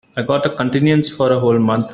I got a continuance for a whole month.